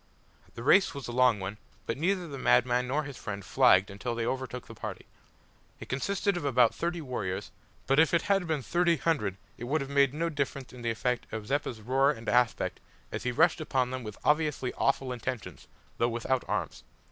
The race was a long one, but neither the madman nor his friend flagged until they overtook the party. It consisted of about thirty warriors, but if it had been thirty hundred it would have made no difference in the effect of Zeppa's roar and aspect as he rushed upon them with obviously awful intentions, though without arms.